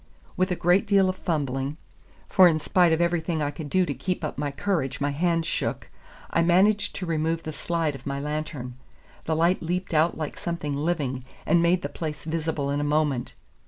With a great deal of fumbling, for in spite of everything I could do to keep up my courage my hands shook, I managed to remove the slide of my lantern. The light leaped out like something living, and made the place visible in a moment.